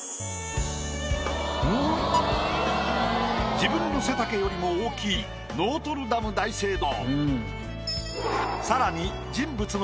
自分の背丈よりも大きいノートルダム大聖堂。